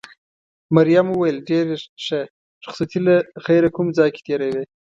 مريم وویل: ډېر ښه، رخصتي له خیره کوم ځای کې تېروې؟